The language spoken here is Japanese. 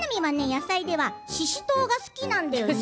野菜ではししとうが好きなんだよね